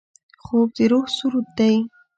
خوب د روح سرود دی